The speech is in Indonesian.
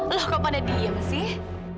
loh kok pada diem sih